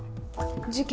事件